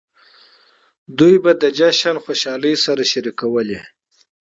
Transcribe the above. دوی به د جشن خوشحالۍ سره شریکولې.